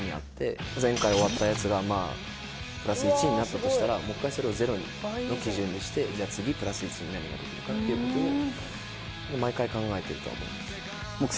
前回終わったやつがまあプラス１になったとしたらもう１回それをゼロの基準にしてじゃあ次プラス１に何ができるかっていうことを毎回考えているとは思います。